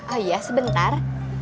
oh iya sebentar